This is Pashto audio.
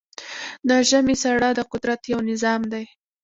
د ژمی ساړه د قدرت یو نظام دی.